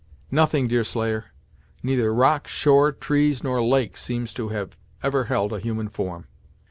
"Nothing, Deerslayer. Neither rock, shore, trees, nor lake seems to have ever held a human form."